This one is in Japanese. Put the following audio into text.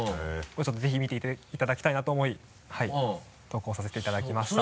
ぜひ見ていただきたいなと思い投稿させていただきました。